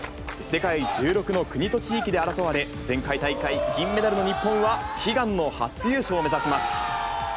世界１６の国と地域で争われ、前回大会、銀メダルの日本は、悲願の初優勝を目指します。